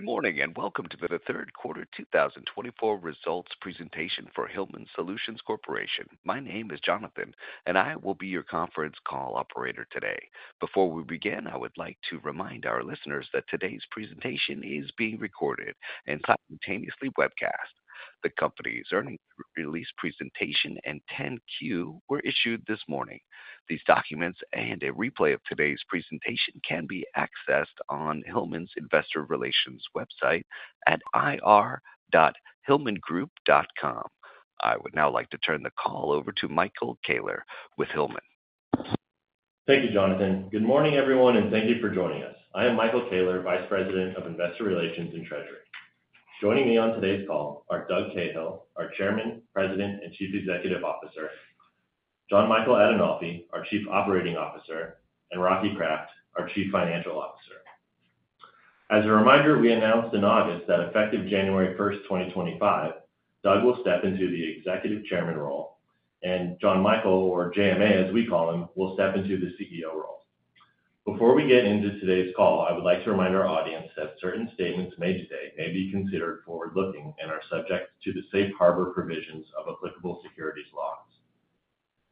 Good morning and welcome to the third quarter 2024 results presentation for Hillman Solutions Corporation. My name is Jonathan, and I will be your conference call operator today. Before we begin, I would like to remind our listeners that today's presentation is being recorded and simultaneously webcast. The company's earnings release presentation and 10-Q were issued this morning. These documents and a replay of today's presentation can be accessed on Hillman's investor relations website at ir.hillmangroup.com. I would now like to turn the call over to Michael Koehler with Hillman. Thank you, Jonathan. Good morning, everyone, and thank you for joining us. I am Michael Koehler, Vice President of Investor Relations and Treasury. Joining me on today's call are Doug Cahill, our Chairman, President, and Chief Executive Officer; Jon Michael Adinolfi, our Chief Operating Officer; and Rocky Kraft, our Chief Financial Officer. As a reminder, we announced in August that effective January 1st, 2025, Doug will step into the Executive Chairman role, and Jon Michael, or JMA as we call him, will step into the CEO role. Before we get into today's call, I would like to remind our audience that certain statements made today may be considered forward-looking and are subject to the safe harbor provisions of applicable securities laws.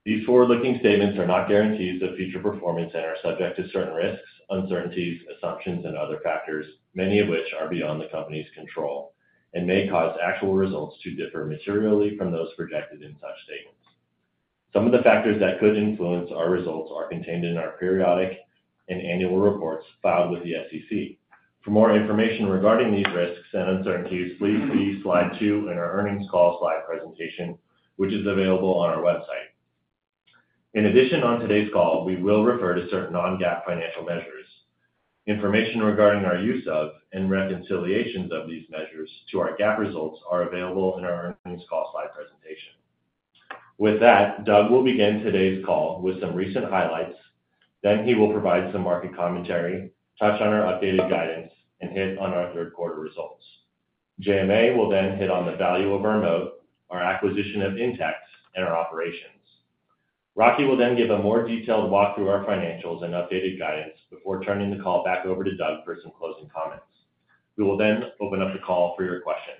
These forward-looking statements are not guarantees of future performance and are subject to certain risks, uncertainties, assumptions, and other factors, many of which are beyond the company's control and may cause actual results to differ materially from those projected in such statements. Some of the factors that could influence our results are contained in our periodic and annual reports filed with the SEC. For more information regarding these risks and uncertainties, please see slide two in our earnings call slide presentation, which is available on our website. In addition, on today's call, we will refer to certain non-GAAP financial measures. Information regarding our use of and reconciliations of these measures to our GAAP results are available in our earnings call slide presentation. With that, Doug will begin today's call with some recent highlights. Then he will provide some market commentary, touch on our updated guidance, and hit on our third quarter results. JMA will then hit on the value of our moat, our acquisition of Intex, and our operations. Rocky will then give a more detailed walkthrough of our financials and updated guidance before turning the call back over to Doug for some closing comments. We will then open up the call for your questions.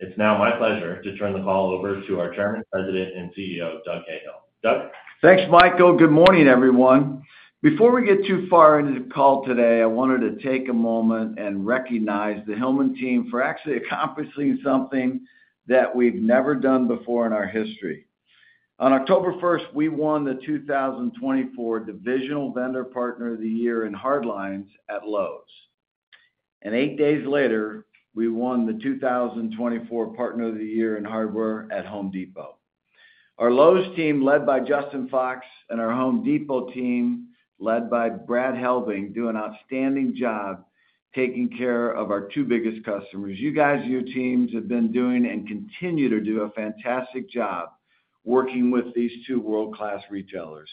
It's now my pleasure to turn the call over to our Chairman, President, and CEO, Doug Cahill. Doug? Thanks, Michael. Good morning, everyone. Before we get too far into the call today, I wanted to take a moment and recognize the Hillman team for actually accomplishing something that we've never done before in our history. On October 1st, we won the 2024 Divisional Vendor Partner of the Year in Hardlines at Lowe's, and eight days later, we won the 2024 Partner of the Year in Hardware at Home Depot. Our Lowe's team, led by Justin Fox, and our Home Depot team, led by Brad Helbing, do an outstanding job taking care of our two biggest customers. You guys, your teams have been doing and continue to do a fantastic job working with these two world-class retailers.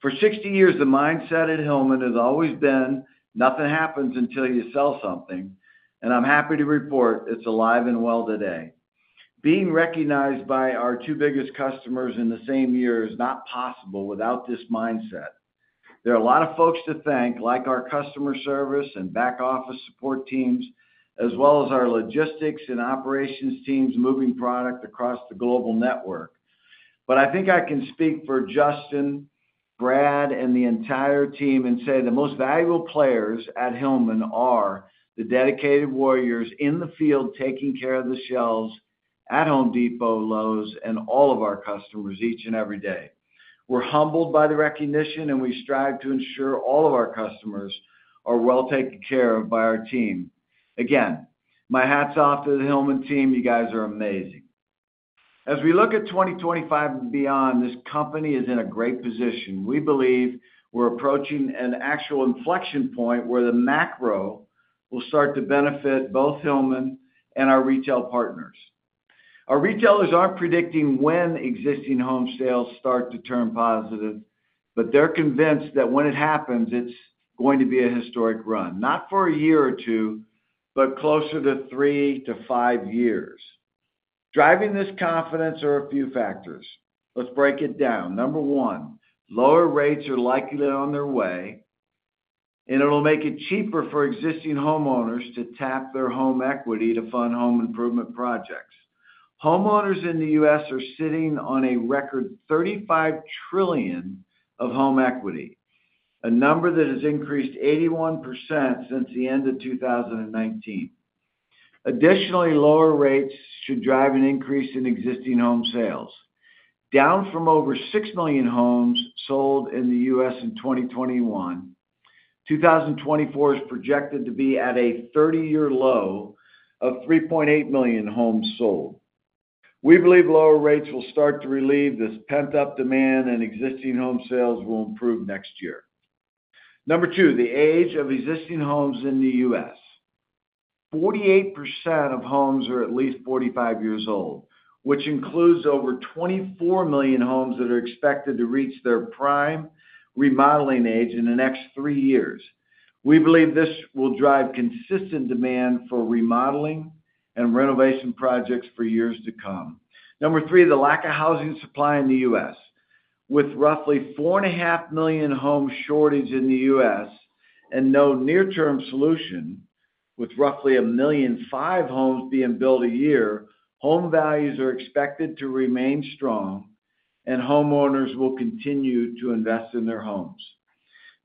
For 60 years, the mindset at Hillman has always been, "Nothing happens until you sell something," and I'm happy to report it's alive and well today. Being recognized by our two biggest customers in the same year is not possible without this mindset. There are a lot of folks to thank, like our customer service and back-office support teams, as well as our logistics and operations teams moving product across the global network. But I think I can speak for Justin, Brad, and the entire team and say the most valuable players at Hillman are the dedicated warriors in the field taking care of the shelves at Home Depot, Lowe's, and all of our customers each and every day. We're humbled by the recognition, and we strive to ensure all of our customers are well taken care of by our team. Again, my hats off to the Hillman team. You guys are amazing. As we look at 2025 and beyond, this company is in a great position. We believe we're approaching an actual inflection point where the macro will start to benefit both Hillman and our retail partners. Our retailers aren't predicting when existing home sales start to turn positive, but they're convinced that when it happens, it's going to be a historic run. Not for a year or two, but closer to three to five years. Driving this confidence are a few factors. Let's break it down. Number one, lower rates are likely on their way, and it'll make it cheaper for existing homeowners to tap their home equity to fund home improvement projects. Homeowners in the U.S. are sitting on a record $35 trillion of home equity, a number that has increased 81% since the end of 2019. Additionally, lower rates should drive an increase in existing home sales. Down from over six million homes sold in the U.S. In 2021, 2024 is projected to be at a 30-year low of 3.8 million homes sold. We believe lower rates will start to relieve this pent-up demand, and existing home sales will improve next year. Number two, the age of existing homes in the U.S. 48% of homes are at least 45 years old, which includes over 24 million homes that are expected to reach their prime remodeling age in the next three years. We believe this will drive consistent demand for remodeling and renovation projects for years to come. Number three, the lack of housing supply in the U.S. With roughly 4.5 million home shortage in the U.S. and no near-term solution, with roughly 1.5 million homes being built a year, home values are expected to remain strong, and homeowners will continue to invest in their homes.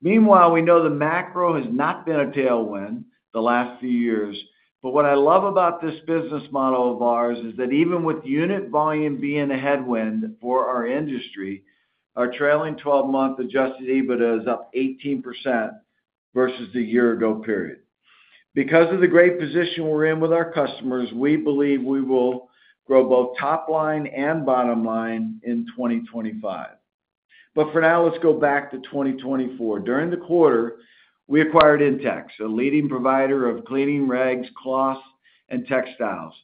Meanwhile, we know the macro has not been a tailwind the last few years, but what I love about this business model of ours is that even with unit volume being a headwind for our industry, our trailing 12-month Adjusted EBITDA is up 18% versus the year-ago period. Because of the great position we're in with our customers, we believe we will grow both top line and bottom line in 2025. But for now, let's go back to 2024. During the quarter, we acquired Intex, a leading provider of cleaning rags, cloths, and textiles.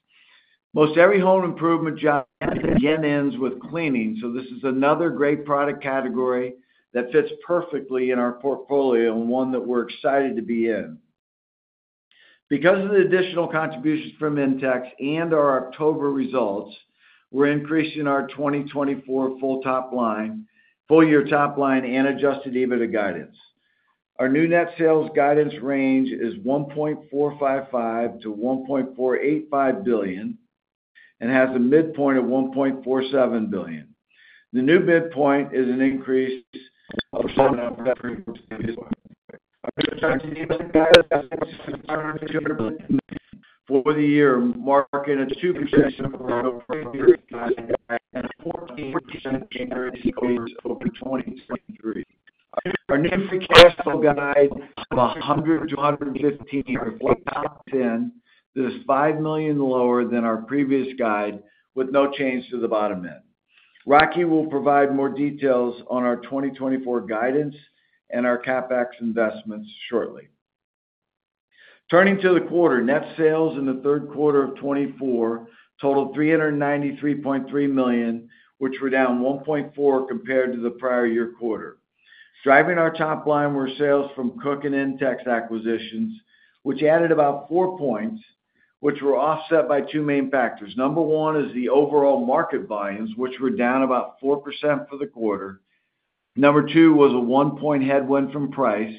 Most every home improvement job again ends with cleaning, so this is another great product category that fits perfectly in our portfolio and one that we're excited to be in. Because of the additional contributions from Intex and our October results, we're increasing our 2024 full-year top line and Adjusted EBITDA guidance. Our new net sales guidance range is $1.455 billion-$1.485 billion and has a midpoint of $1.47 billion. The new midpoint is an increase of 4% for the year, marking a 2% increase and a 14% increase over 2023. Our new free cash flow guide is $100 million-$115 million. This is $5 million lower than our previous guide, with no change to the bottom end. Rocky will provide more details on our 2024 guidance and our CapEx investments shortly. Turning to the quarter, net sales in the third quarter of 2024 totaled $393.3 million, which were down 1.4% compared to the prior year quarter. Driving our top line were sales from Koch and Intex acquisitions, which added about four points, which were offset by two main factors. Number one is the overall market volumes, which were down about 4% for the quarter. Number two was a one-point headwind from price,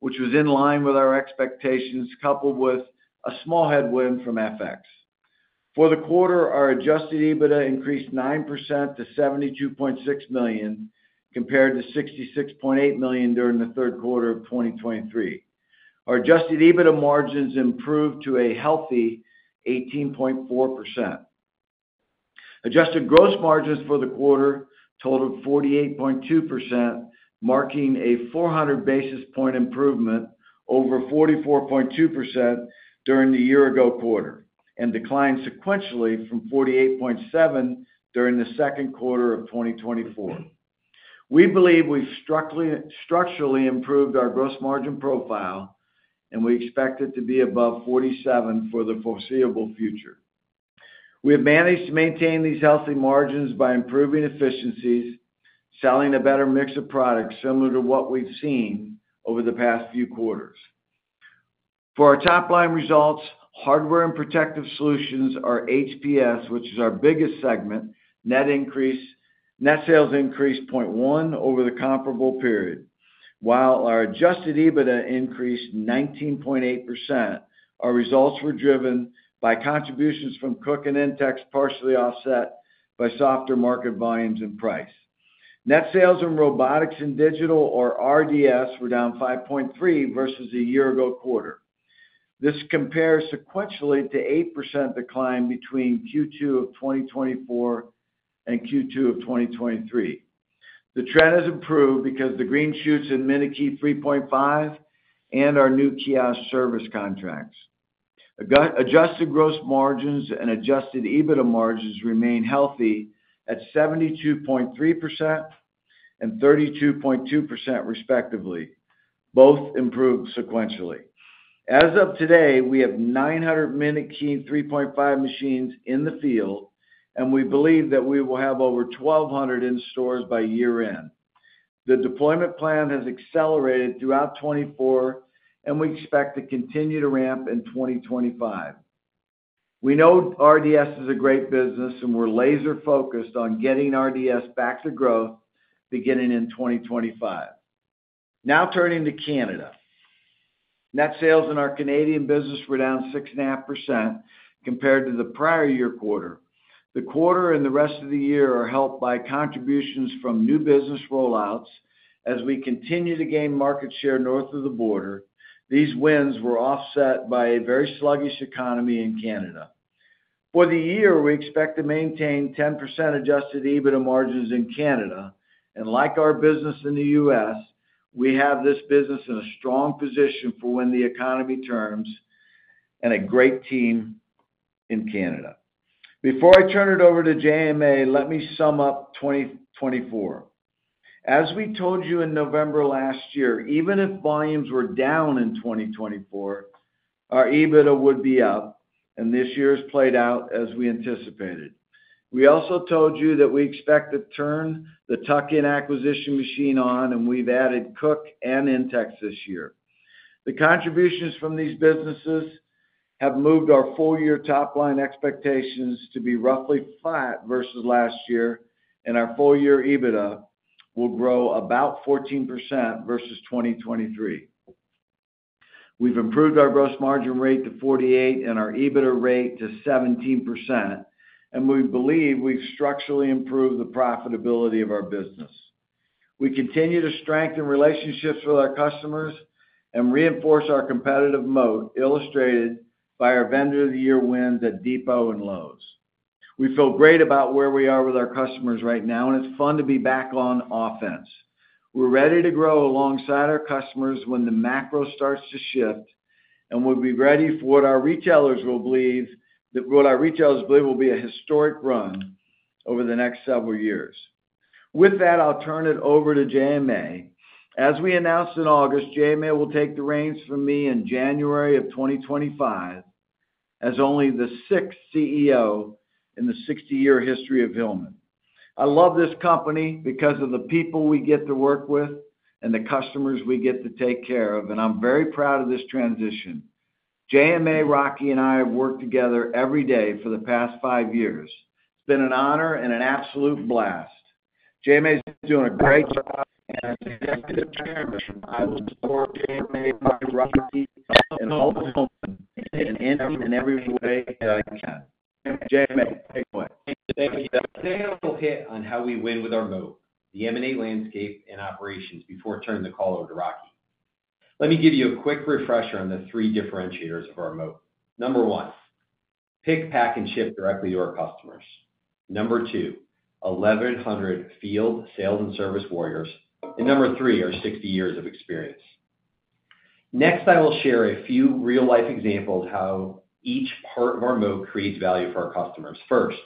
which was in line with our expectations, coupled with a small headwind from FX. For the quarter, our adjusted EBITDA increased 9% to $72.6 million compared to $66.8 million during the third quarter of 2023. Our adjusted EBITDA margins improved to a healthy 18.4%. Adjusted gross margins for the quarter totaled 48.2%, marking a 400 basis point improvement over 44.2% during the year-ago quarter and declined sequentially from 48.7% during the second quarter of 2024. We believe we've structurally improved our gross margin profile, and we expect it to be above 47% for the foreseeable future. We have managed to maintain these healthy margins by improving efficiencies, selling a better mix of products similar to what we've seen over the past few quarters. For our top line results, Hardware and Protective Solutions, our HPS, which is our biggest segment, net sales increased 0.1% over the comparable period. While our adjusted EBITDA increased 19.8%, our results were driven by contributions from Koch and Intex, partially offset by softer market volumes and price. Net sales from Robotics and Digital Solutions, or RDS, were down 5.3% versus a year-ago quarter. This compares sequentially to 8% decline between Q2 of 2024 and Q2 of 2023. The trend has improved because the green shoots in MinuteKey 3.5 and our new kiosk service contracts. Adjusted gross margins and adjusted EBITDA margins remain healthy at 72.3% and 32.2%, respectively. Both improved sequentially. As of today, we have 900 MinuteKey 3.5 machines in the field, and we believe that we will have over 1,200 in stores by year-end. The deployment plan has accelerated throughout 2024, and we expect to continue to ramp in 2025. We know RDS is a great business, and we're laser-focused on getting RDS back to growth beginning in 2025. Now turning to Canada. Net sales in our Canadian business were down 6.5% compared to the prior year quarter. The quarter and the rest of the year are helped by contributions from new business rollouts as we continue to gain market share north of the border. These wins were offset by a very sluggish economy in Canada. For the year, we expect to maintain 10% adjusted EBITDA margins in Canada. And like our business in the U.S., we have this business in a strong position for when the economy turns and a great team in Canada. Before I turn it over to JMA, let me sum up 2024. As we told you in November last year, even if volumes were down in 2024, our EBITDA would be up, and this year has played out as we anticipated. We also told you that we expect to turn the Tuck In acquisition machine on, and we've added Koch and Intex this year. The contributions from these businesses have moved our full-year top line expectations to be roughly flat versus last year, and our full-year EBITDA will grow about 14% versus 2023. We've improved our gross margin rate to 48% and our EBITDA rate to 17%, and we believe we've structurally improved the profitability of our business. We continue to strengthen relationships with our customers and reinforce our competitive moat, illustrated by our vendor of the year wins at Depot and Lowe's. We feel great about where we are with our customers right now, and it's fun to be back on offense. We're ready to grow alongside our customers when the macro starts to shift, and we'll be ready for what our retailers believe will be a historic run over the next several years. With that, I'll turn it over to JMA. As we announced in August, JMA will take the reins from me in January of 2025 as only the sixth CEO in the 60-year history of Hillman. I love this company because of the people we get to work with and the customers we get to take care of, and I'm very proud of this transition. JMA, Rocky, and I have worked together every day for the past five years. It's been an honor and an absolute blast. JMA is doing a great job, and as Executive Chairman, I will support JMA, Rocky, and all of Hillman in every way that I can. JMA, take away. Thank you. A little bit on how we win with our moat, the M&A landscape and operations before I turn the call over to Rocky. Let me give you a quick refresher on the three differentiators of our moat. Number one, pick, pack, and ship directly to our customers. Number two, 1,100 field sales and service warriors. And number three, our 60 years of experience. Next, I will share a few real-life examples of how each part of our moat creates value for our customers. First,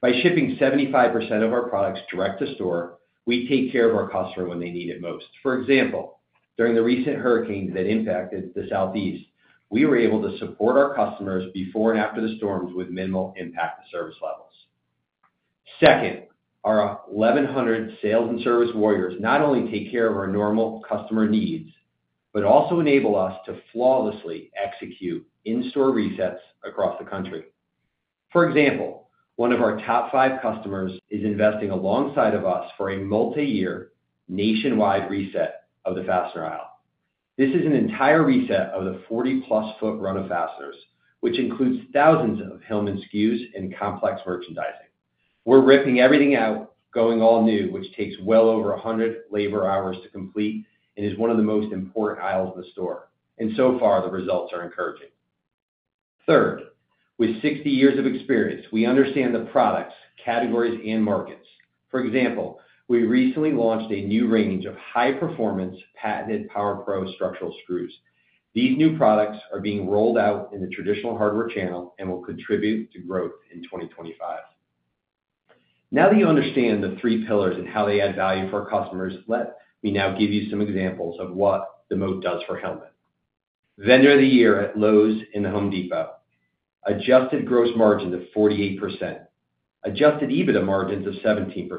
by shipping 75% of our products direct to store, we take care of our customer when they need it most. For example, during the recent hurricanes that impacted the Southeast, we were able to support our customers before and after the storms with minimal impact to service levels. Second, our 1,100 sales and service warriors not only take care of our normal customer needs, but also enable us to flawlessly execute in-store resets across the country. For example, one of our top five customers is investing alongside of us for a multi-year nationwide reset of the fastener aisle. This is an entire reset of the 40+ foot run of fasteners, which includes thousands of Hillman SKUs and complex merchandising. We're ripping everything out, going all new, which takes well over 100 labor hours to complete and is one of the most important aisles in the store. And so far, the results are encouraging. Third, with 60 years of experience, we understand the products, categories, and markets. For example, we recently launched a new range of high-performance patented PowerPro structural screws. These new products are being rolled out in the traditional hardware channel and will contribute to growth in 2025. Now that you understand the three pillars and how they add value for our customers, let me now give you some examples of what the moat does for Hillman. Vendor of the Year at Lowe's and Home Depot, adjusted gross margin to 48%, adjusted EBITDA margins of 17%,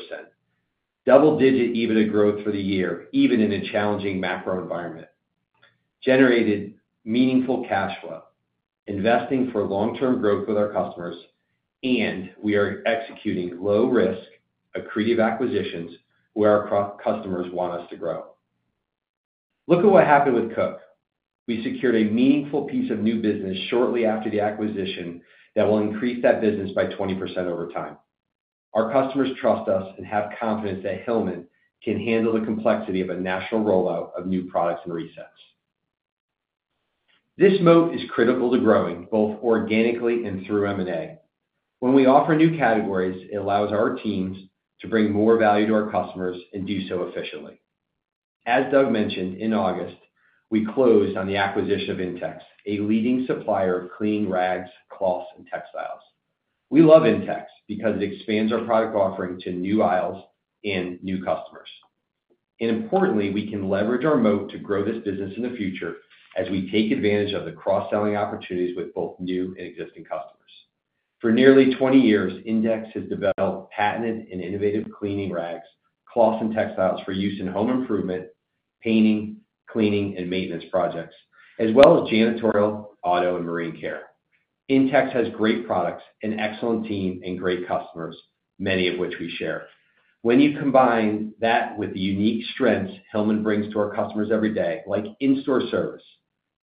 double-digit EBITDA growth for the year, even in a challenging macro environment, generated meaningful cash flow, investing for long-term growth with our customers, and we are executing low-risk, accretive acquisitions where our customers want us to grow. Look at what happened with Koch. We secured a meaningful piece of new business shortly after the acquisition that will increase that business by 20% over time. Our customers trust us and have confidence that Hillman can handle the complexity of a national rollout of new products and resets. This moat is critical to growing both organically and through M&A. When we offer new categories, it allows our teams to bring more value to our customers and do so efficiently. As Doug mentioned in August, we closed on the acquisition of Intex, a leading supplier of cleaning rags, cloths, and textiles. We love Intex because it expands our product offering to new aisles and new customers, and importantly, we can leverage our moat to grow this business in the future as we take advantage of the cross-selling opportunities with both new and existing customers. For nearly 20 years, Intex has developed patented and innovative cleaning rags, cloths, and textiles for use in home improvement, painting, cleaning, and maintenance projects, as well as janitorial, auto, and marine care. Intex has great products, an excellent team, and great customers, many of which we share. When you combine that with the unique strengths Hillman brings to our customers every day, like in-store service,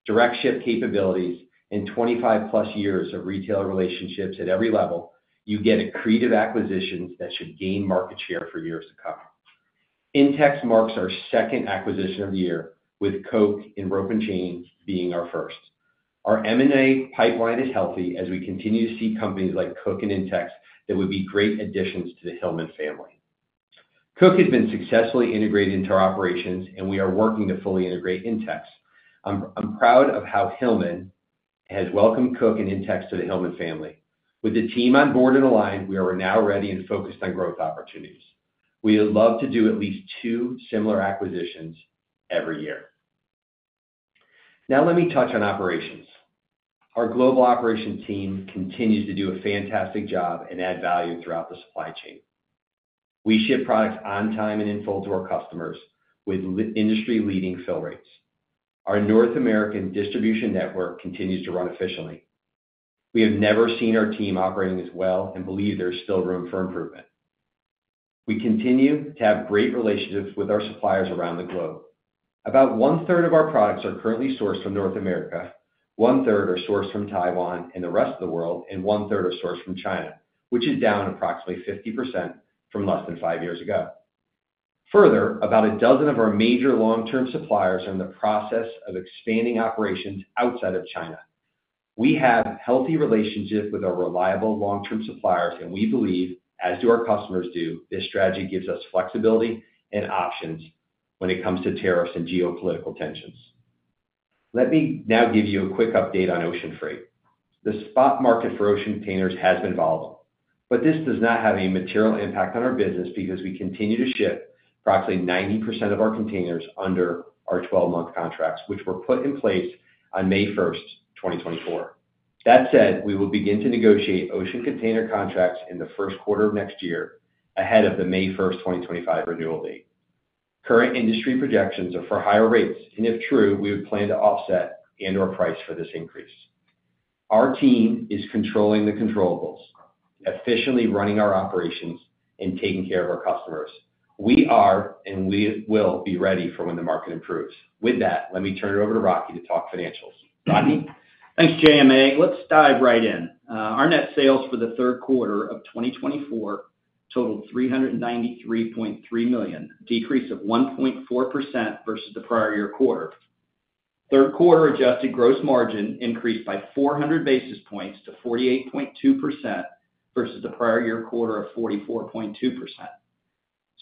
direct ship capabilities, and 25+ years of retailer relationships at every level, you get accretive acquisitions that should gain market share for years to come. Intex marks our second acquisition of the year, with Koch Rope & Chain being our first. Our M&A pipeline is healthy as we continue to see companies like Koch and Intex that would be great additions to the Hillman family. Koch has been successfully integrated into our operations, and we are working to fully integrate Intex. I'm proud of how Hillman has welcomed Koch and Intex to the Hillman family. With the team on board and aligned, we are now ready and focused on growth opportunities. We would love to do at least two similar acquisitions every year. Now let me touch on operations. Our global operations team continues to do a fantastic job and add value throughout the supply chain. We ship products on time and in full to our customers with industry-leading fill rates. Our North American distribution network continues to run efficiently. We have never seen our team operating as well and believe there's still room for improvement. We continue to have great relationships with our suppliers around the globe. About one-third of our products are currently sourced from North America, one-third are sourced from Taiwan and the rest of the world, and one-third are sourced from China, which is down approximately 50% from less than five years ago. Further, about a dozen of our major long-term suppliers are in the process of expanding operations outside of China. We have healthy relationships with our reliable long-term suppliers, and we believe, as do our customers do, this strategy gives us flexibility and options when it comes to tariffs and geopolitical tensions. Let me now give you a quick update on ocean freight. The spot market for ocean containers has been volatile, but this does not have a material impact on our business because we continue to ship approximately 90% of our containers under our 12-month contracts, which were put in place on May 1st, 2024. That said, we will begin to negotiate ocean container contracts in the first quarter of next year ahead of the May 1st, 2025 renewal date. Current industry projections are for higher rates, and if true, we would plan to offset and/or price for this increase. Our team is controlling the controllables. Efficiently running our operations and taking care of our customers. We are and we will be ready for when the market improves. With that, let me turn it over to Rocky to talk financials. Rocky? Thanks, JMA. Let's dive right in. Our net sales for the third quarter of 2024 totaled $393.3 million, a decrease of 1.4% versus the prior year quarter. Third quarter adjusted gross margin increased by 400 basis points to 48.2% versus the prior year quarter of 44.2%.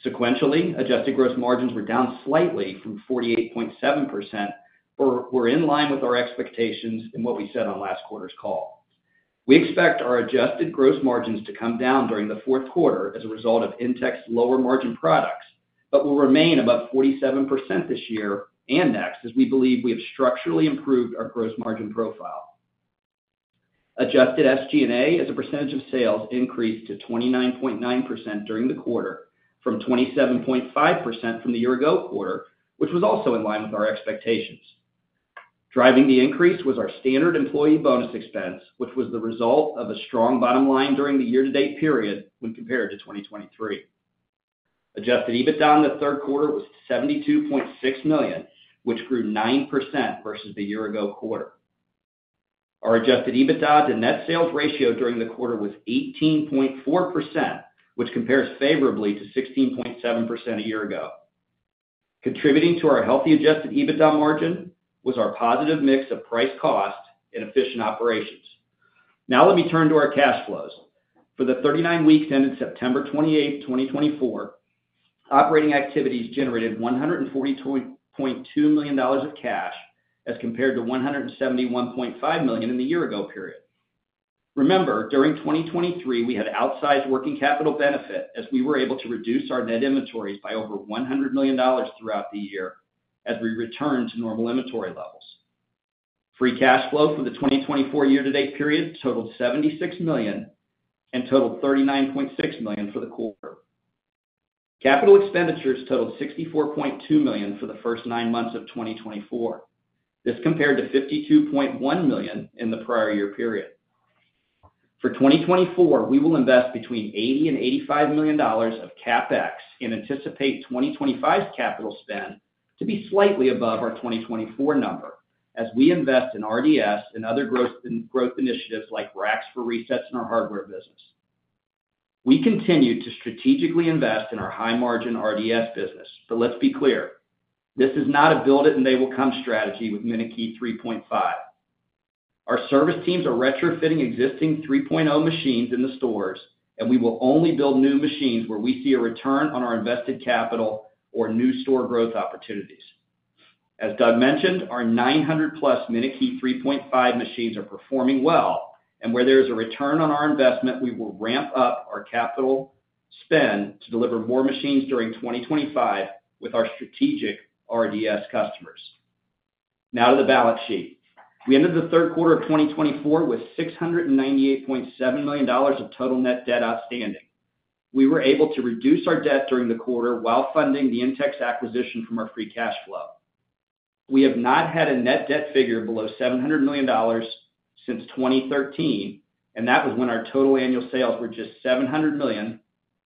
Sequentially, adjusted gross margins were down slightly from 48.7%, but were in line with our expectations and what we said on last quarter's call. We expect our adjusted gross margins to come down during the fourth quarter as a result of Intex's lower margin products, but will remain above 47% this year and next as we believe we have structurally improved our gross margin profile. Adjusted SG&A as a percentage of sales increased to 29.9% during the quarter from 27.5% from the year-ago quarter, which was also in line with our expectations. Driving the increase was our standard employee bonus expense, which was the result of a strong bottom line during the year-to-date period when compared to 2023. Adjusted EBITDA in the third quarter was $72.6 million, which grew 9% versus the year-ago quarter. Our adjusted EBITDA to net sales ratio during the quarter was 18.4%, which compares favorably to 16.7% a year ago. Contributing to our healthy adjusted EBITDA margin was our positive mix of price-cost and efficient operations. Now let me turn to our cash flows. For the 39 weeks ended September 28th, 2024, operating activities generated $142.2 million of cash as compared to $171.5 million in the year-ago period. Remember, during 2023, we had outsized working capital benefit as we were able to reduce our net inventories by over $100 million throughout the year as we returned to normal inventory levels. Free cash flow for the 2024 year-to-date period totaled $76 million and totaled $39.6 million for the quarter. Capital expenditures totaled $64.2 million for the first nine months of 2024. This compared to $52.1 million in the prior year period. For 2024, we will invest between $80 million and $85 million of CapEx and anticipate 2025's capital spend to be slightly above our 2024 number as we invest in RDS and other growth initiatives like racks for resets in our hardware business. We continue to strategically invest in our high-margin RDS business, but let's be clear. This is not a build-it-and-they-will-come strategy with MinuteKey 3.5. Our service teams are retrofitting existing 3.0 machines in the stores, and we will only build new machines where we see a return on our invested capital or new store growth opportunities. As Doug mentioned, our 900+ MinuteKey 3.5 machines are performing well, and where there is a return on our investment, we will ramp up our capital spend to deliver more machines during 2025 with our strategic RDS customers. Now to the balance sheet. We ended the third quarter of 2024 with $698.7 million of total net debt outstanding. We were able to reduce our debt during the quarter while funding the Intex acquisition from our free cash flow. We have not had a net debt figure below $700 million since 2013, and that was when our total annual sales were just $700 million,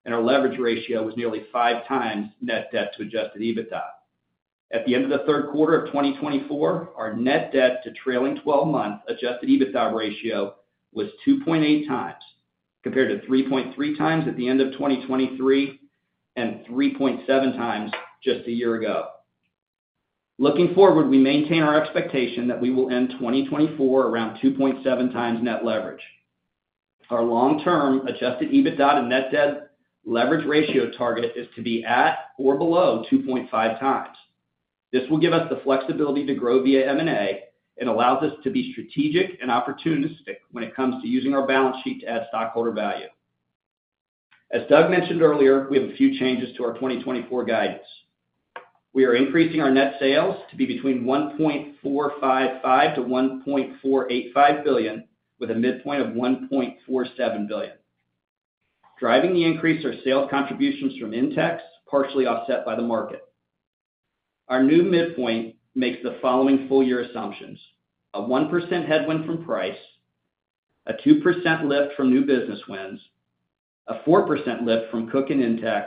and our leverage ratio was nearly five times net debt to Adjusted EBITDA. At the end of the third quarter of 2024, our net debt to trailing 12-month adjusted EBITDA ratio was 2.8x, compared to 3.3x at the end of 2023 and 3.7x just a year ago. Looking forward, we maintain our expectation that we will end 2024 around 2.7x net leverage. Our long-term adjusted EBITDA to net debt leverage ratio target is to be at or below 2.5x. This will give us the flexibility to grow via M&A and allows us to be strategic and opportunistic when it comes to using our balance sheet to add stockholder value. As Doug mentioned earlier, we have a few changes to our 2024 guidance. We are increasing our net sales to be between $1.455 billion-$1.485 billion, with a midpoint of $1.47 billion. Driving the increase are sales contributions from Intex, partially offset by the market. Our new midpoint makes the following full-year assumptions: a 1% headwind from price, a 2% lift from new business wins, a 4% lift from Koch and Intex,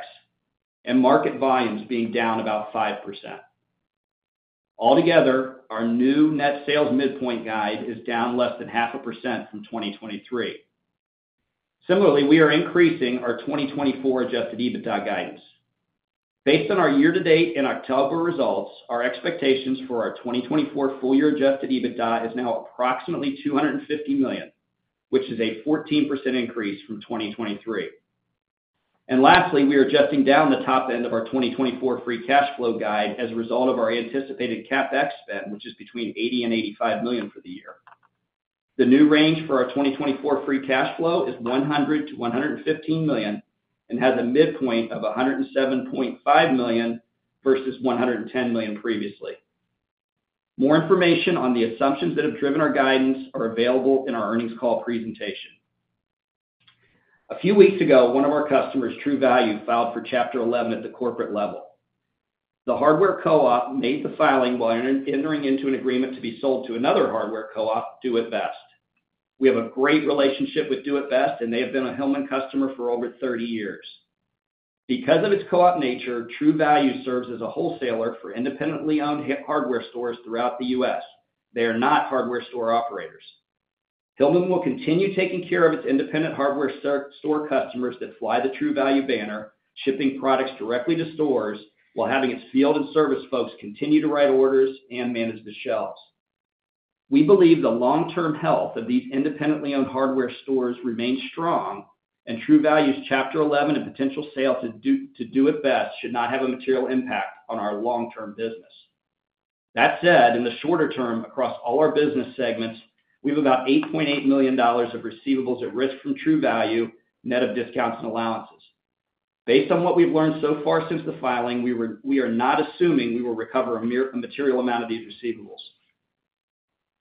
and market volumes being down about 5%. Altogether, our new net sales midpoint guide is down less than 0.5% from 2023. Similarly, we are increasing our 2024 adjusted EBITDA guidance. Based on our year-to-date and October results, our expectations for our 2024 full-year adjusted EBITDA is now approximately $250 million, which is a 14% increase from 2023. And lastly, we are adjusting down the top end of our 2024 free cash flow guide as a result of our anticipated CapEx spend, which is between $80 million and $85 million for the year. The new range for our 2024 free cash flow is $100 million-$115 million and has a midpoint of $107.5 million versus $110 million previously. More information on the assumptions that have driven our guidance are available in our earnings call presentation. A few weeks ago, one of our customers, True Value, filed for Chapter 11 at the corporate level. The hardware co-op made the filing while entering into an agreement to be sold to another hardware co-op, Do it Best. We have a great relationship with Do it Best, and they have been a Hillman customer for over 30 years. Because of its co-op nature, True Value serves as a wholesaler for independently owned hardware stores throughout the U.S. They are not hardware store operators. Hillman will continue taking care of its independent hardware store customers that fly the True Value banner, shipping products directly to stores while having its field and service folks continue to write orders and manage the shelves. We believe the long-term health of these independently owned hardware stores remains strong, and True Value's Chapter 11 and potential sales to Do it Best should not have a material impact on our long-term business. That said, in the shorter term across all our business segments, we have about $8.8 million of receivables at risk from True Value, net of discounts and allowances. Based on what we've learned so far since the filing, we are not assuming we will recover a material amount of these receivables.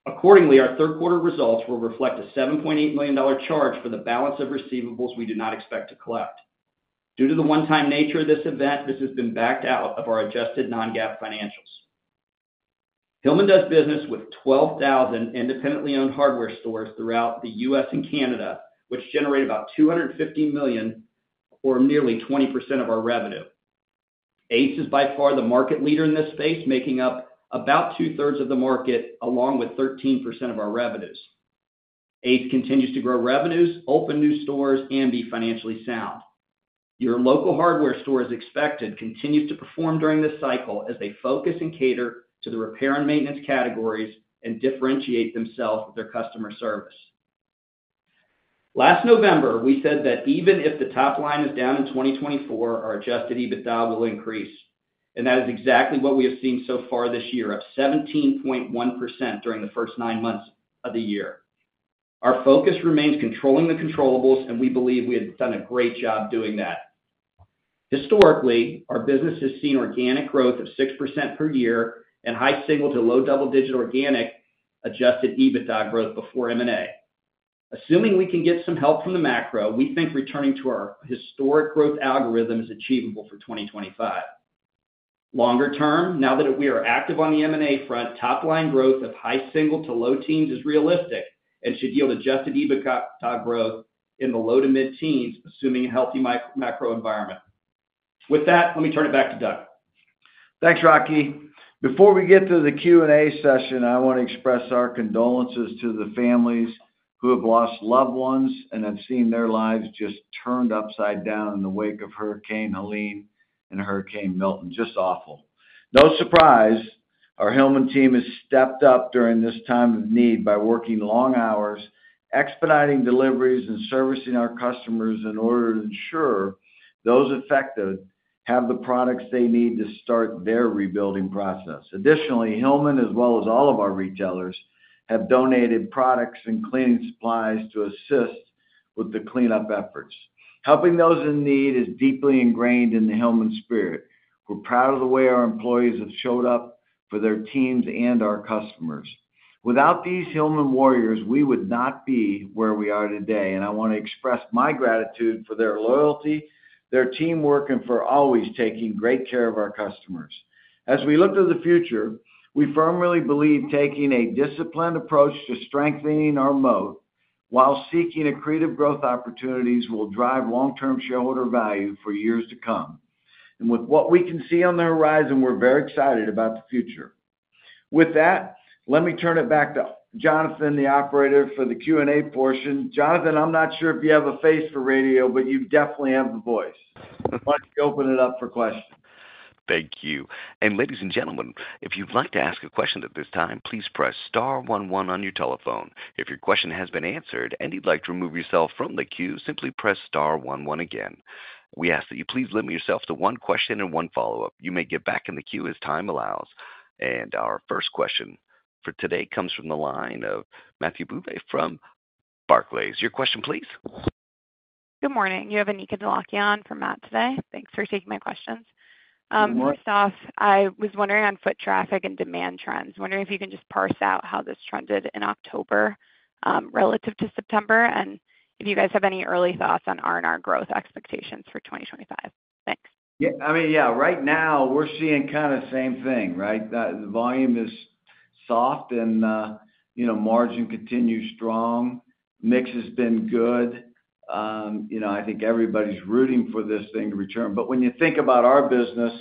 Accordingly, our third-quarter results will reflect a $7.8 million charge for the balance of receivables we do not expect to collect. Due to the one-time nature of this event, this has been backed out of our adjusted non-GAAP financials. Hillman does business with 12,000 independently owned hardware stores throughout the U.S. and Canada, which generate about $250 million or nearly 20% of our revenue. Ae is by far the market leader in this space, making up about two-thirds of the market, along with 13% of our revenues. Ace continues to grow revenues, open new stores, and be financially sound. Your local hardware stores, as expected, continue to perform during this cycle as they focus and cater to the repair and maintenance categories and differentiate themselves with their customer service. Last November, we said that even if the top line is down in 2024, our Adjusted EBITDA will increase, and that is exactly what we have seen so far this year, up 17.1% during the first nine months of the year. Our focus remains controlling the controllables, and we believe we have done a great job doing that. Historically, our business has seen organic growth of 6% per year and high single- to low double-digit organic Adjusted EBITDA growth before M&A. Assuming we can get some help from the macro, we think returning to our historic growth algorithm is achievable for 2025. Longer term, now that we are active on the M&A front, top-line growth of high single to low teens is realistic and should yield Adjusted EBITDA growth in the low to mid-teens, assuming a healthy macro environment. With that, let me turn it back to Doug. Thanks, Rocky. Before we get to the Q&A session, I want to express our condolences to the families who have lost loved ones and have seen their lives just turned upside down in the wake of Hurricane Helene and Hurricane Milton. Just awful. No surprise, our Hillman team has stepped up during this time of need by working long hours, expediting deliveries and servicing our customers in order to ensure those affected have the products they need to start their rebuilding process. Additionally, Hillman, as well as all of our retailers, have donated products and cleaning supplies to assist with the cleanup efforts. Helping those in need is deeply ingrained in the Hillman spirit. We're proud of the way our employees have showed up for their teams and our customers. Without these Hillman warriors, we would not be where we are today, and I want to express my gratitude for their loyalty, their teamwork, and for always taking great care of our customers. As we look to the future, we firmly believe taking a disciplined approach to strengthening our moat while seeking a creative growth opportunity will drive long-term shareholder value for years to come. With what we can see on the horizon, we're very excited about the future. With that, let me turn it back to Jonathan, the operator for the Q&A portion. Jonathan, I'm not sure if you have a face for radio, but you definitely have the voice. Why don't you open it up for questions? Thank you. Ladies and gentlemen, if you'd like to ask a question at this time, please press star one one on your telephone. If your question has been answered and you'd like to remove yourself from the queue, simply press star one one again. We ask that you please limit yourself to one question and one follow-up. You may get back in the queue as time allows. Our first question for today comes from the line of Matthew Bouley from Barclays. Your question, please. Good morning. You have Anika Dholakia from Matt today. Thanks for taking my questions. Good morning. First off, I was wondering on foot traffic and demand trends. Wondering if you can just parse out how this trended in October relative to September and if you guys have any early thoughts on R&R growth expectations for 2025. Thanks. Yeah. I mean, yeah, right now we're seeing kind of the same thing, right? The volume is soft and margin continues strong. Mix has been good. I think everybody's rooting for this thing to return. But when you think about our business,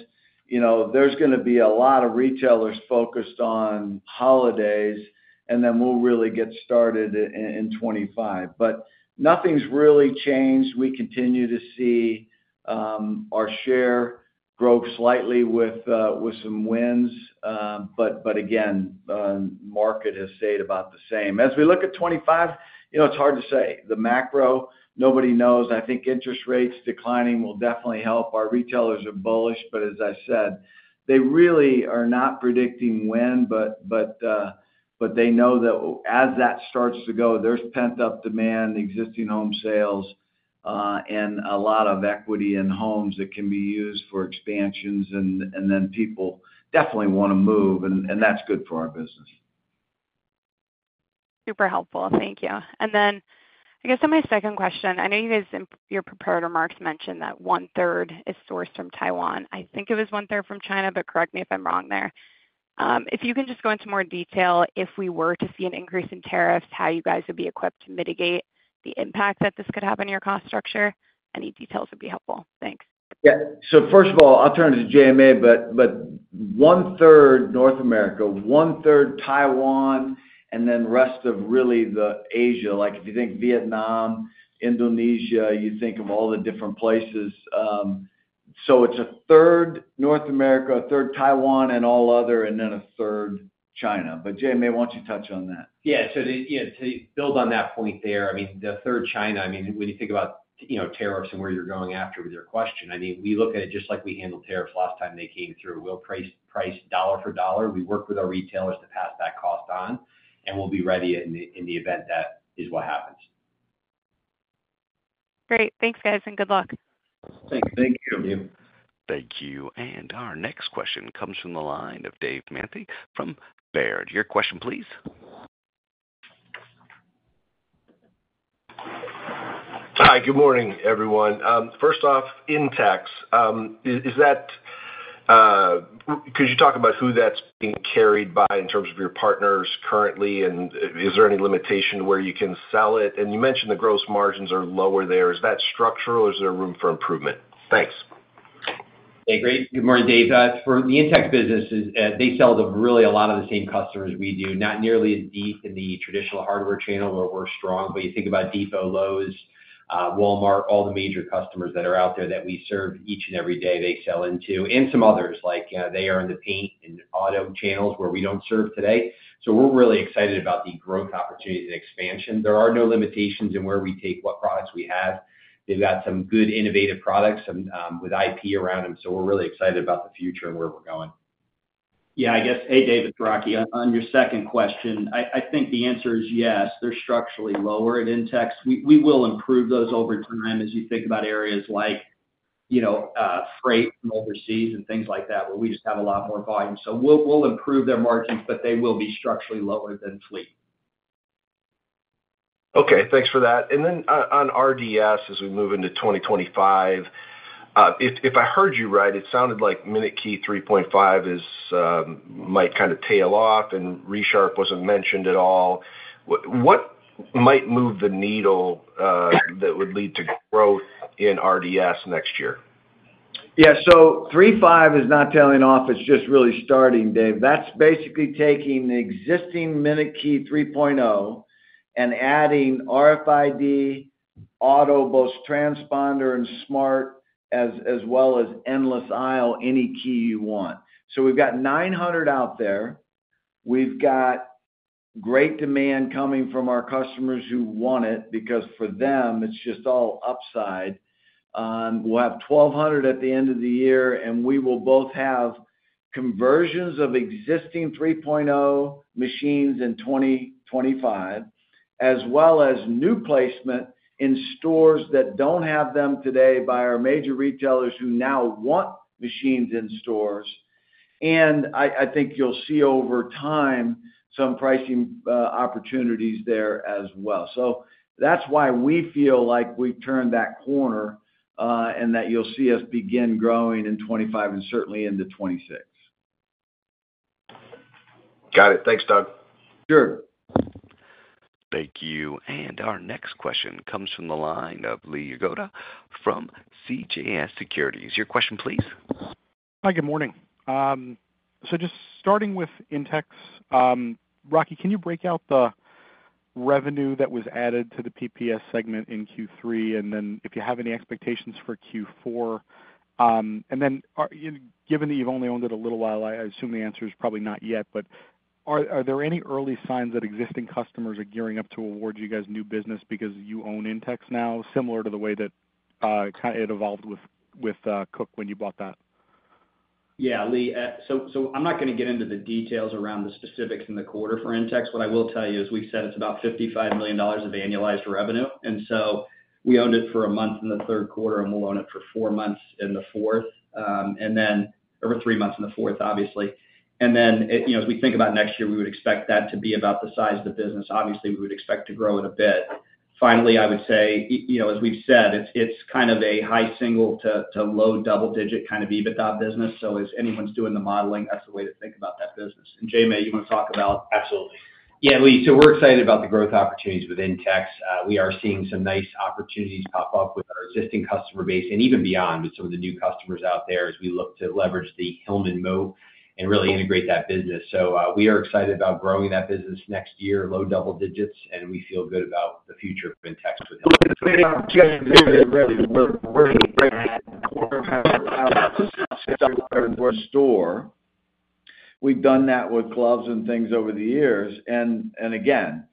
there's going to be a lot of retailers focused on holidays, and then we'll really get started in 2025. But nothing's really changed. We continue to see our share grow slightly with some wins. But again, the market has stayed about the same. As we look at 2025, it's hard to say. The macro, nobody knows. I think interest rates declining will definitely help. Our retailers are bullish, but as I said, they really are not predicting when, but they know that as that starts to go, there's pent-up demand, existing home sales, and a lot of equity in homes that can be used for expansions, and then people definitely want to move, and that's good for our business. Super helpful. Thank you. And then I guess my second question, I know you guys in your prepared remarks mentioned that one-third is sourced from Taiwan. I think it was one-third from China, but correct me if I'm wrong there. If you can just go into more detail, if we were to see an increase in tariffs, how you guys would be equipped to mitigate the impact that this could have on your cost structure, any details would be helpful. Thanks. Yeah. So first of all, I'll turn it to JMA, but one-third North America, one-third Taiwan, and then the rest of really Asia. If you think Vietnam, Indonesia, you think of all the different places. So it's a third North America, a third Taiwan, and all other, and then a third China. But JMA, why don't you touch on that? Yeah. So to build on that point there, I mean, the third China, I mean, when you think about tariffs and where you're going after with your question, I mean, we look at it just like we handled tariffs last time they came through. We'll price dollar for dollar. We work with our retailers to pass that cost on, and we'll be ready in the event that is what happens. Great. Thanks, guys, and good luck. Thank you. Thank you. Thank you. And our next question comes from the line of Dave Manthey from Baird. Your question, please. Hi. Good morning, everyone. First off, Intex, could you talk about who that's being carried by in terms of your partners currently, and is there any limitation where you can sell it? And you mentioned the gross margins are lower there. Is that structural or is there room for improvement? Thanks. Hey, great. Good morning, Dave. For the Intex businesses, they sell to really a lot of the same customers we do, not nearly as deep in the traditional hardware channel where we're strong. But you think about Home Depot, Lowe's, Walmart, all the major customers that are out there that we serve each and every day they sell into, and some others like they are in the paint and auto channels where we don't serve today. So we're really excited about the growth opportunities and expansion. There are no limitations in where we take what products we have. They've got some good innovative products with IP around them, so we're really excited about the future and where we're going. Yeah. I guess, hey, David, Rocky, on your second question, I think the answer is yes. They're structurally lower at Intex. We will improve those over time as you think about areas like freight from overseas and things like that where we just have a lot more volume. So we'll improve their margins, but they will be structurally lower than fleet. Okay. Thanks for that. And then on RDS, as we move into 2025, if I heard you right, it sounded like MinuteKey 3.5 might kind of tail off and Resharp wasn't mentioned at all. What might move the needle that would lead to growth in RDS next year? Yeah. So 3.5 is not tailing off. It's just really starting, Dave. That's basically taking the existing MinuteKey 3.0 and adding RFID, auto, both transponder and smart, as well as endless aisle, any key you want. So we've got 900 out there. We've got great demand coming from our customers who want it because for them, it's just all upside. We'll have 1,200 at the end of the year, and we will both have conversions of existing 3.0 machines in 2025, as well as new placement in stores that don't have them today by our major retailers who now want machines in stores. And I think you'll see over time some pricing opportunities there as well. So that's why we feel like we've turned that corner and that you'll see us begin growing in 2025 and certainly into 2026. Got it. Thanks, Doug. Sure. Thank you. And our next question comes from the line of Lee Jagoda from CJS Securities. Your question, please. Hi. Good morning. So just starting with Intex, Rocky, can you break out the revenue that was added to the PPS segment in Q3, and then if you have any expectations for Q4? And then given that you've only owned it a little while, I assume the answer is probably not yet, but are there any early signs that existing customers are gearing up to award you guys new business because you own Intex now, similar to the way that it evolved with Koch when you bought that? Yeah. I'm not going to get into the details around the specifics in the quarter for Intex. What I will tell you is we've said it's about $55 million of annualized revenue. We owned it for a month in the third quarter, and we'll own it for four months in the fourth, and then over three months in the fourth, obviously. As we think about next year, we would expect that to be about the size of the business. Obviously, we would expect to grow it a bit. Finally, I would say, as we've said, it's kind of a high single to low double-digit kind of EBITDA business. As anyone's doing the modeling, that's the way to think about that business. And JMA, you want to talk about? Absolutely. Yeah. We're excited about the growth opportunities with Intex. We are seeing some nice opportunities pop up with our existing customer base and even beyond with some of the new customers out there as we look to leverage the Hillman moat and really integrate that business. We are excited about growing that business next year, low double digits, and we feel good about the future of Intex with Hillman. Look at the opportunities. We're going to bring that quarter and a half hour out of our system. We're a store. We've done that with gloves and things over the years. Again,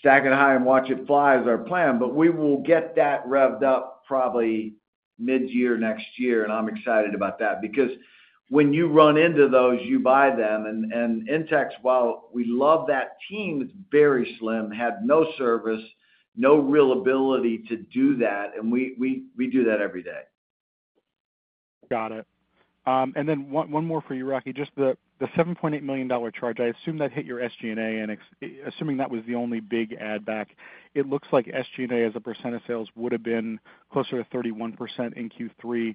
stack it high and watch it fly is our plan, but we will get that revved up probably mid-year next year, and I'm excited about that because when you run into those, you buy them. And Intex, while we love that team, it's very slim, had no service, no real ability to do that, and we do that every day. Got it. And then one more for you, Rocky. Just the $7.8 million charge, I assume that hit your SG&A, and assuming that was the only big add-back, it looks like SG&A as a percent of sales would have been closer to 31% in Q3.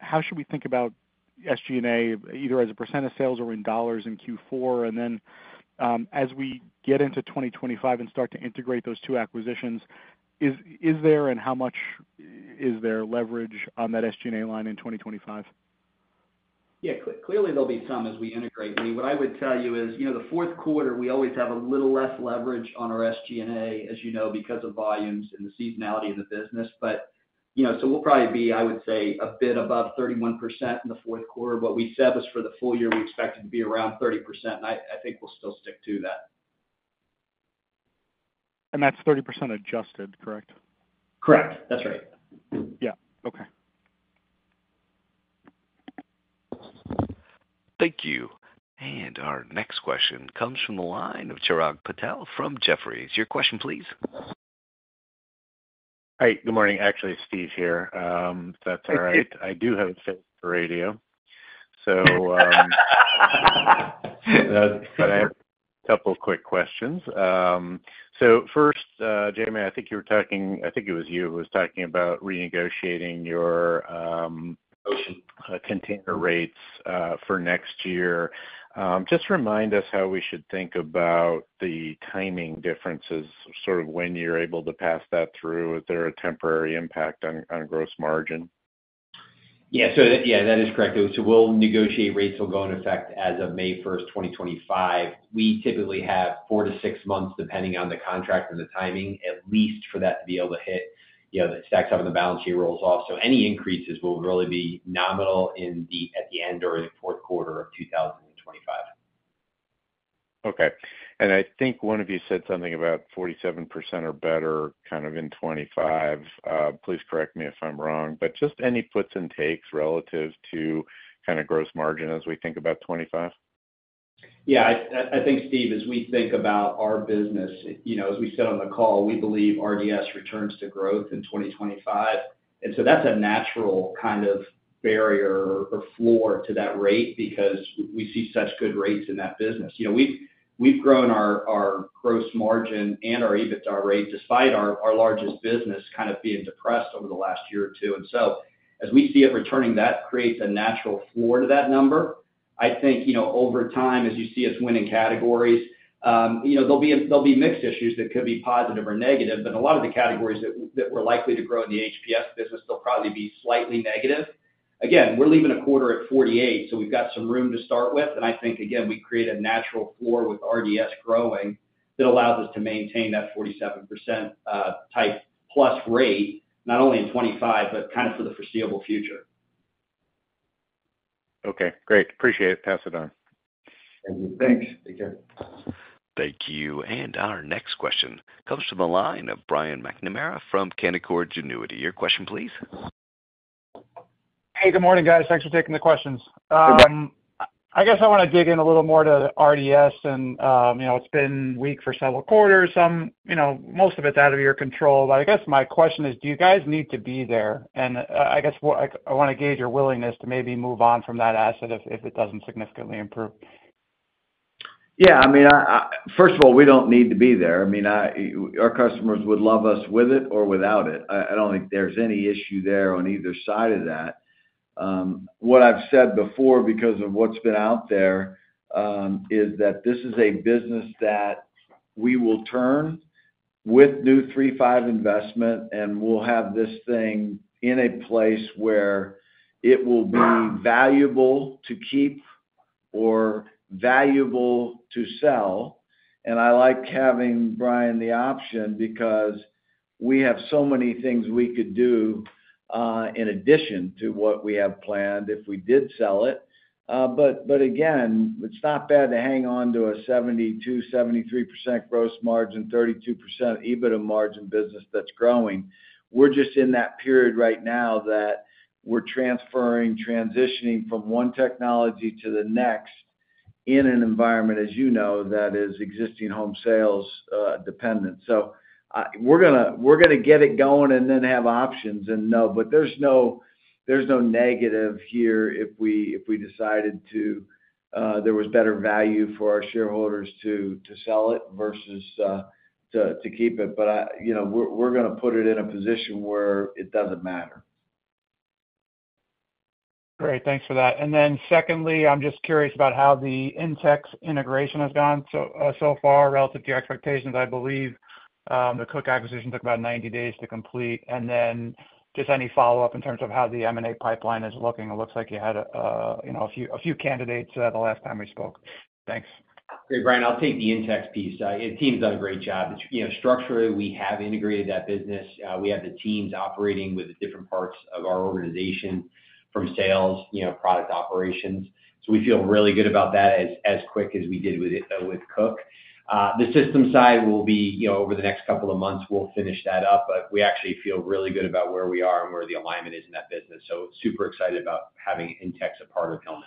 How should we think about SG&A either as a percent of sales or in dollars in Q4? And then as we get into 2025 and start to integrate those two acquisitions, is there and how much is there leverage on that SG&A line in 2025? Yeah. Clearly, there'll be some as we integrate. I mean, what I would tell you is the fourth quarter, we always have a little less leverage on our SG&A, as you know, because of volumes and the seasonality of the business, but so we'll probably be, I would say, a bit above 31% in the fourth quarter. What we said was for the full year, we expected to be around 30%, and I think we'll still stick to that. And that's 30% adjusted, correct? Correct. That's right. Yeah. Okay. Thank you. And our next question comes from the line of Chirag Patel from Jefferies. Your question, please. Hi. Good morning. Actually, Steve here. If that's all right. I do have a face for radio. So I have a couple of quick questions. So first, JMA, I think you were talking, I think it was you, who was talking about renegotiating your container rates for next year. Just remind us how we should think about the timing differences, sort of when you're able to pass that through. Is there a temporary impact on gross margin? Yeah. So yeah, that is correct. So the negotiated rates will go into effect as of May 1st, 2025. We typically have four to six months, depending on the contract and the timing, at least for that to be able to hit the P&L as the balance sheet rolls off. So any increases will really be nominal at the end or the fourth quarter of 2025. Okay. And I think one of you said something about 47% or better kind of in 2025. Please correct me if I'm wrong. But just any puts and takes relative to kind of gross margin as we think about 2025? Yeah. I think, Steve, as we think about our business, as we said on the call, we believe RDS returns to growth in 2025, and so that's a natural kind of barrier or floor to that rate because we see such good rates in that business. We've grown our gross margin and our EBITDA rate despite our largest business kind of being depressed over the last year or two, and so as we see it returning, that creates a natural floor to that number. I think over time, as you see us winning categories, there'll be mixed issues that could be positive or negative, but a lot of the categories that we're likely to grow in the HPS business, they'll probably be slightly negative. Again, we're leaving a quarter at 48%, so we've got some room to start with. And I think, again, we create a natural floor with RDS growing that allows us to maintain that 47% type plus rate, not only in 2025, but kind of for the foreseeable future. Okay. Great. Appreciate it. Pass it on. Thank you. Thanks. Take care. Thank you. And our next question comes from the line of Brian McNamara from Canaccord Genuity. Your question, please. Hey, good morning, guys. Thanks for taking the questions. I guess I want to dig in a little more to RDS, and it's been weak for several quarters, most of it out of your control. But I guess my question is, do you guys need to be there? And I guess I want to gauge your willingness to maybe move on from that asset if it doesn't significantly improve. Yeah. I mean, first of all, we don't need to be there. I mean, our customers would love us with it or without it. I don't think there's any issue there on either side of that. What I've said before because of what's been out there is that this is a business that we will turn with new 3.5 investment, and we'll have this thing in a place where it will be valuable to keep or valuable to sell. And I like having, Brian, the option because we have so many things we could do in addition to what we have planned if we did sell it. But again, it's not bad to hang on to a 72%-73% gross margin, 32% EBITDA margin business that's growing. We're just in that period right now that we're transferring, transitioning from one technology to the next in an environment, as you know, that is existing home sales dependent. So we're going to get it going and then have options and no. But there's no negative here if we decided to—there was better value for our shareholders to sell it versus to keep it. But we're going to put it in a position where it doesn't matter. Great. Thanks for that. And then secondly, I'm just curious about how the Intex integration has gone so far relative to your expectations. I believe the Koch acquisition took about 90 days to complete. And then just any follow-up in terms of how the M&A pipeline is looking. It looks like you had a few candidates the last time we spoke. Thanks. Hey, Brian, I'll take the Intex piece. It seems like a great job. Structurally, we have integrated that business. We have the teams operating with different parts of our organization from sales, product operations. So we feel really good about that as quick as we did with Koch. The system side will be over the next couple of months. We'll finish that up, but we actually feel really good about where we are and where the alignment is in that business. So super excited about having Intex a part of Hillman,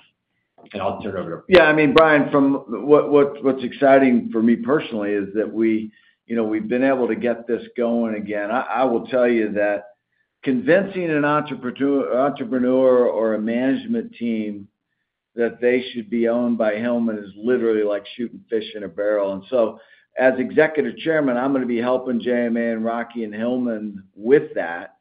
and I'll turn it over to Brian. Yeah. I mean, Brian, what's exciting for me personally is that we've been able to get this going again. I will tell you that convincing an entrepreneur or a management team that they should be owned by Hillman is literally like shooting fish in a barrel, and so as executive chairman, I'm going to be helping JMA and Rocky and Hillman with that.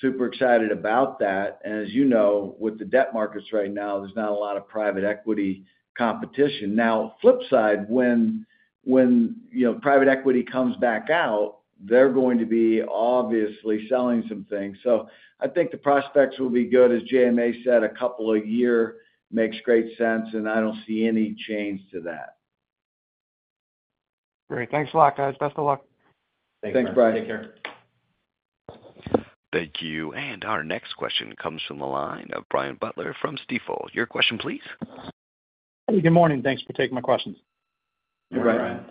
Super excited about that, and as you know, with the debt markets right now, there's not a lot of private equity competition. Now, flip side, when private equity comes back out, they're going to be obviously selling some things. So I think the prospects will be good, as JMA said. A couple of a year makes great sense, and I don't see any change to that. Great. Thanks a lot, guys. Best of luck. Thanks, Brian. Take care. Thank you. And our next question comes from the line of Brian Butler from Stifel. Your question, please. Hey, good morning. Thanks for taking my questions. Hey, Brian.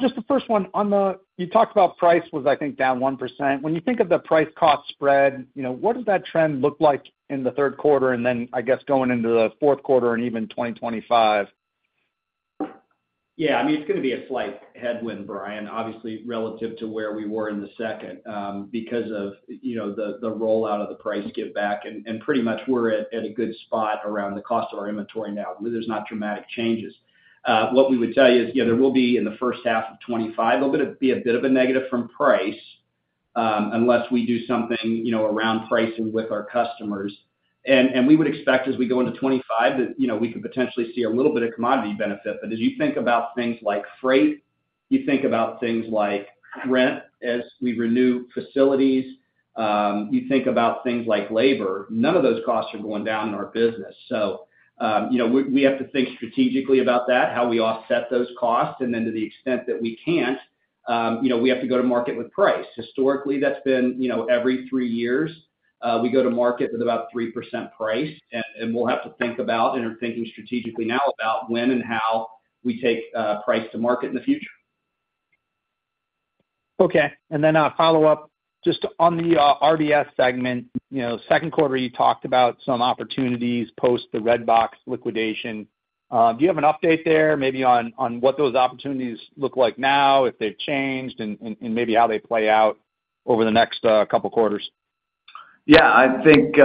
Just the first one. You talked about price was, I think, down 1%. When you think of the price-cost spread, what does that trend look like in the third quarter and then, I guess, going into the fourth quarter and even 2025? Yeah. I mean, it's going to be a slight headwind, Brian, obviously, relative to where we were in the second because of the rollout of the price giveback. And pretty much we're at a good spot around the cost of our inventory now. There's not dramatic changes. What we would tell you is there will be in the first half of 2025, there'll be a bit of a negative from price unless we do something around pricing with our customers. And we would expect as we go into 2025 that we could potentially see a little bit of commodity benefit. But as you think about things like freight, you think about things like rent as we renew facilities, you think about things like labor. None of those costs are going down in our business. So we have to think strategically about that, how we offset those costs. And then to the extent that we can't, we have to go to market with price. Historically, that's been every three years. We go to market with about 3% price. And we'll have to think about and are thinking strategically now about when and how we take price to market in the future. Okay. And then a follow-up just on the RDS segment. Second quarter, you talked about some opportunities post the Redbox liquidation. Do you have an update there maybe on what those opportunities look like now, if they've changed, and maybe how they play out over the next couple of quarters? Yeah. I think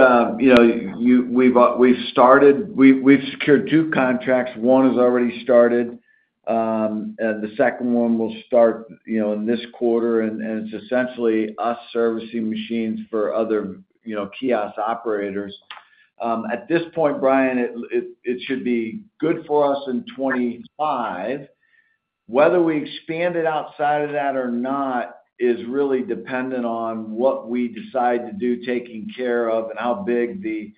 we've started. We've secured two contracts. One has already started. The second one will start in this quarter. And it's essentially us servicing machines for other kiosk operators. At this point, Brian, it should be good for us in 2025. Whether we expand it outside of that or not is really dependent on what we decide to do, taking care of, and how big the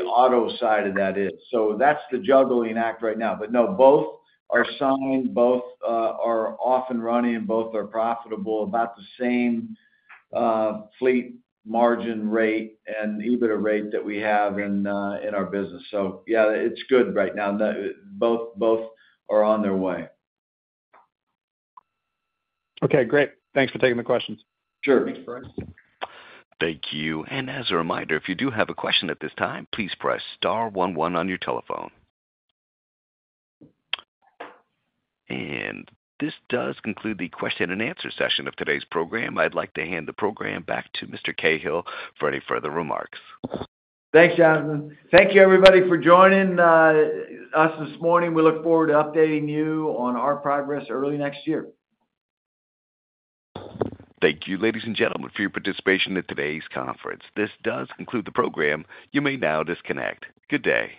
auto side of that is. So that's the juggling act right now. But no, both are signed, both are off and running, and both are profitable about the same fleet margin rate and EBITDA rate that we have in our business. So yeah, it's good right now. Both are on their way. Okay. Great. Thanks for taking the questions. Sure. Thanks, Brian. Thank you. And as a reminder, if you do have a question at this time, please press star 11 on your telephone. And this does conclude the question and answer session of today's program. I'd like to hand the program back to Mr. Cahill for any further remarks. Thanks, Jasmine. Thank you, everybody, for joining us this morning. We look forward to updating you on our progress early next year. Thank you, ladies and gentlemen, for your participation in today's conference. This does conclude the program. You may now disconnect. Good day.